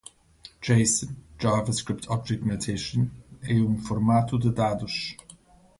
JSON (JavaScript Object Notation) é um formato de dados.